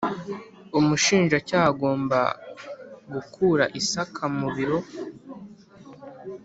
Umushinjacyaha agomba gukura isaka mu biro